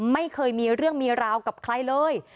ไม่เคยมีเรื่องมีราวกับใครเลย